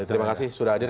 terima kasih sudah hadir